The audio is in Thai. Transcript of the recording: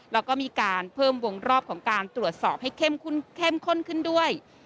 แล้วก็มีการเพิ่มวงรอบของการตรวจสอบให้เข้มข้นขึ้นด้วย